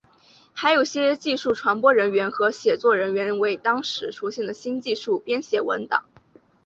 还有些技术传播人员和写作人员为当时出现的新技术编写文档。